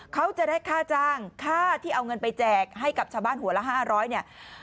เขาจะได้ค่าจ้างค่าที่เอาเงินไปแจกให้กับชาวบ้านหัวละ๕๐๐เนี่ย